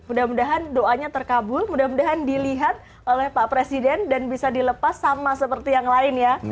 mudah mudahan doanya terkabul mudah mudahan dilihat oleh pak presiden dan bisa dilepas sama seperti yang lain ya